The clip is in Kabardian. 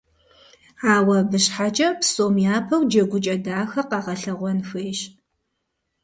Ауэ абы щхьэкӀэ, псом япэу джэгукӀэ дахэ къагъэлъэгъуэн хуейщ.